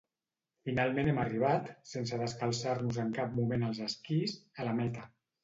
Finalment hem arribat, sense descalçar-nos en cap moment els esquís, a la meta.